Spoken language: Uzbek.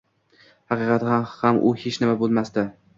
Haqiqatan ham, u hech nima bilmasdi